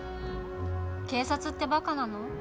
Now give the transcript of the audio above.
警察ってバカなの？